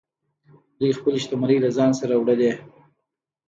دوی خپلې شتمنۍ له ځان سره وړلې